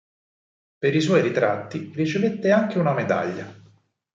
Per i suoi ritratti ricevette anche una medaglia.